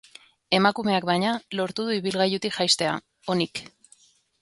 Emakumeak, baina, lortu du ibilgailutik jaistea, onik.